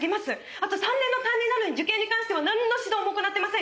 あと３年の担任なのに受験に関してはなんの指導も行ってません。